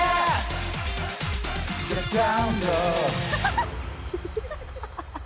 ハハハハ！